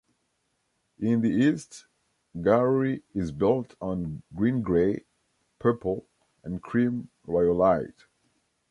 In the east, Gowrie is built on green-grey, purple and cream rhyolite.